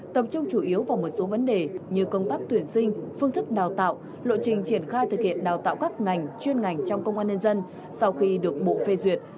tập trung chủ yếu vào một số vấn đề như công tác tuyển sinh phương thức đào tạo lộ trình triển khai thực hiện đào tạo các ngành chuyên ngành trong công an nhân dân sau khi được bộ phê duyệt